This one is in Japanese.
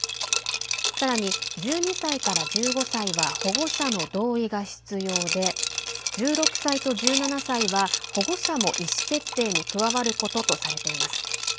さらに、１２歳から１５歳は保護者の同意が必要で１６歳と１７歳は保護者も意思決定に加わることとされています。